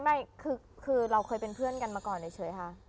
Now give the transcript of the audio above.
ไม่คือเราเคยเป็นเพื่อนกันมาก่อนเฉยค่ะ